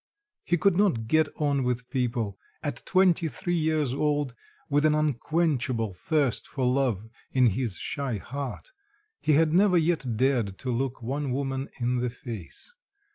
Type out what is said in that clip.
He could not get on with people; at twenty three years old, with an unquenchable thirst for love in his shy heart, he had never yet dared to look one woman in the face.